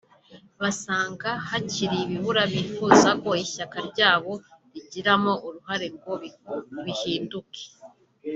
basanga hakiri ibibura bifuza ko ishyaka ryabo rigiramo uruhare ngo bihinduke